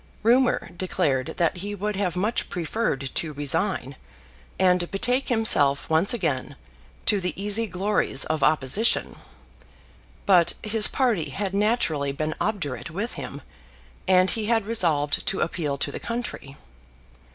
Rumour declared that he would have much preferred to resign, and betake himself once again to the easy glories of opposition; but his party had naturally been obdurate with him, and he had resolved to appeal to the country.